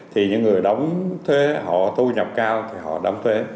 thì những người đóng thuế họ thu nhập cao thì họ đóng thuế